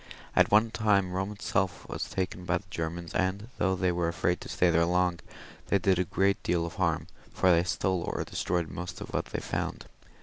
At one time Eome itself was taken by the Germans, and though they were afraid to stay there long, they did a great deal of harm, for they stole or destroyed most of what they found.